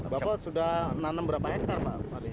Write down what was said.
bapak sudah menanam berapa hektare pak